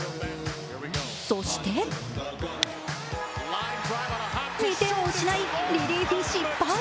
そして２点を失いリリーフ失敗。